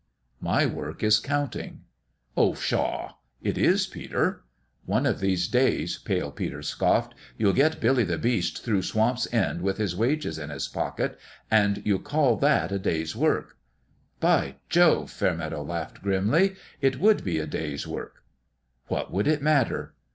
" My work is counting." " Oh, pshaw !"" It is, Peter." "One of these days," Pale Peter scoffed, "you'll get Billy the Beast through Swamp's End with his wages in his pocket ; and you'll call that a day's work !"" By Jove !" Fairmeadow laughed, grimly, " it would be a day's work." " What would it matter